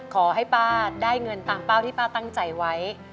ขอให้ป้าได้เงินตามเป้าที่ป้าตั้งใจไว้